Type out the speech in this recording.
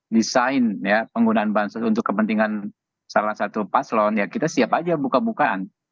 desain ya penggunaan bansos untuk kepentingan salah satu paslon ya kita siap aja buka bukaan